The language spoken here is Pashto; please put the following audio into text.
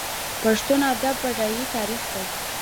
پښتو ادب بډای تاریخ لري.